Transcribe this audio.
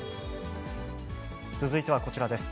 続いてはこちらです。